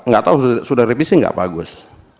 gak tahu sudah revisi gak pak agus